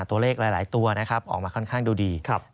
ตัวเลขหลายตัวนะครับออกมาค่อนข้างดูดี